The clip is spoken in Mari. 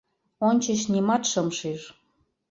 — Ончыч нимат шым шиж.